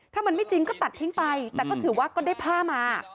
ถ้ามันไม่จริงก็ตัดทิ้งไปแต่ก็ถือว่าก็ได้ผ้ามา